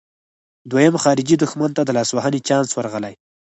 دویم خارجي دښمن ته د لاسوهنې چانس ورغلی.